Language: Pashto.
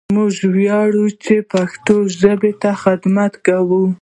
موږ وياړو چې پښتو ژبې ته خدمت کوو!